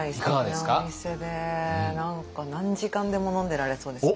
すてきなお店で何か何時間でも飲んでられそうですね。